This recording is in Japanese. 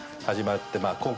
始まってまあ